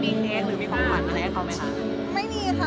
ไม่มีค่ะมันร่มพี่สาวถ่ายไว้ค่ะ